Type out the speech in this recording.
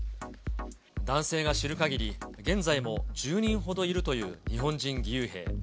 男性が知るかぎり、現在も１０人ほどいるという日本人義勇兵。